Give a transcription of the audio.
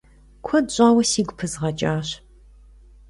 Куэд щӏауэ сигу пызгъэкӏащ.